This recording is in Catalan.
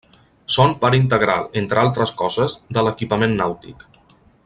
Són part integral, entre altres coses, de l'equipament nàutic.